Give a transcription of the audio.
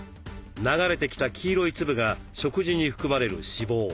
流れてきた黄色い粒が食事に含まれる脂肪。